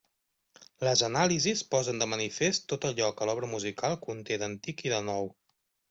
Les anàlisis posen de manifest tot allò que l'obra musical conté d'antic i de nou.